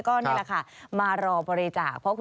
ก็นี่แหละค่ะมารอบริจาค